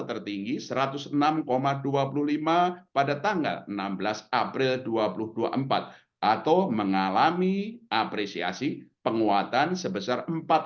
tertinggi satu ratus enam dua puluh lima pada tanggal enam belas april dua ribu dua puluh empat atau mengalami apresiasi penguatan sebesar